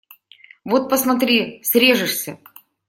Вот, посмотри, срежешься!..